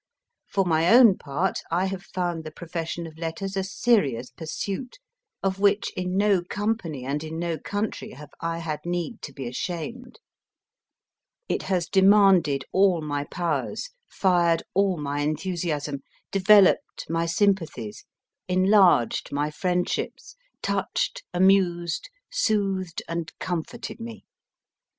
For my own part, I have found the profession of letters a serious pursuit, of which in no company and in no country have I had need to be ashamed. It has demanded all my powers, fired all my enthusiasm, developed my sympathies, enlarged my friend ships, touched, amused, soothed, and comforted me.